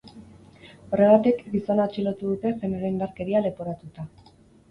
Horregatik, gizona atxilotu dute genero indarkeria leporatuta.